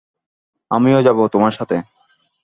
আমিও যাবো তোমার সাথে।